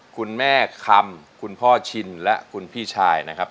คุณแม่คำคุณพ่อชินและคุณพี่ชายนะครับ